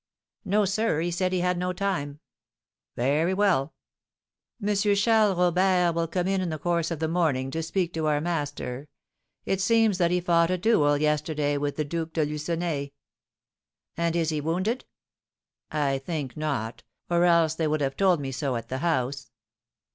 "No, sir; he said he had not time." "Very well." "M. Charles Robert will come in the course of the morning to speak to our master. It seems that he fought a duel yesterday with the Duke de Lucenay." "And is he wounded?" "I think not, or else they would have told me so at the house."